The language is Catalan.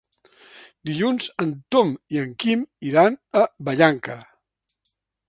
Dilluns en Tom i en Quim iran a Vallanca.